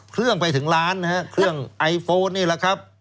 เครื่องไปถึงร้านนะฮะเครื่องไอโฟนนี่แหละครับ